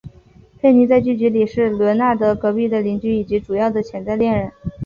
佩妮在剧集里是伦纳德隔壁的邻居以及主要的潜在恋人。